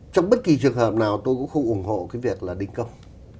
trong bất kỳ trường hợp nào tôi cũng không ủng hộ cái việc là đình công